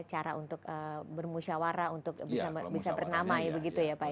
cara untuk bermusyawara untuk bisa bernamai begitu ya pak ya